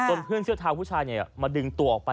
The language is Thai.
ส่วนเพื่อนเสื้อเท้าผู้ชายเนี่ยมาดึงตัวออกไป